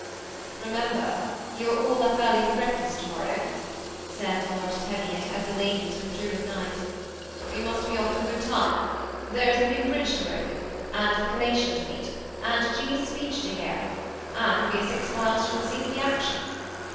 " Remember you are all up early for breakfast to morrow," said Lord Teviot as the ladies withdrew at night: '^we must be off in good time; there is the new bridge to open, and the collation to eat, and G .'s speech to hear, and we are six miles from the scene of action.